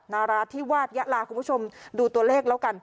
นาราธิวาสยะลาคุณผู้ชมดูตัวเลขแล้วกัน